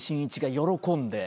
喜んで？